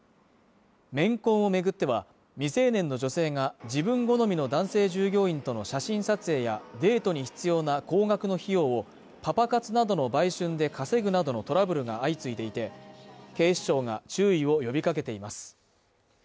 メンコンを巡っては、未成年の女性が自分好みの男性従業員との写真撮影やデートに必要な高額の費用を、パパ活などの売春で稼ぐなどのトラブルが相次いでいて、警視庁が注意を呼びかけています。